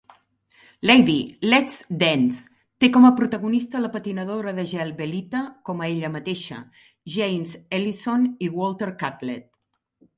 "Lady, Let's Dance" té com a protagonista la patinadora de gel Belita com a ella mateixa, James Ellison i Walter Catlett.